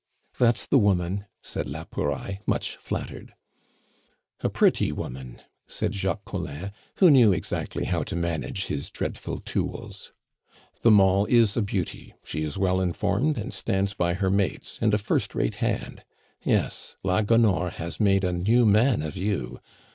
"That's the woman," said la Pouraille, much flattered. "A pretty woman," said Jacques Collin, who knew exactly how to manage his dreadful tools. "The moll is a beauty; she is well informed, and stands by her mates, and a first rate hand. Yes, la Gonore has made a new man of you!